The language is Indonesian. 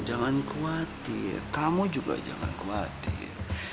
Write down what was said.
jangan khawatir kamu juga jangan khawatir